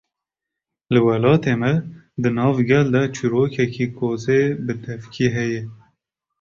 Li welatê me, di nav gel de çîrokeke kozê bi devkî heye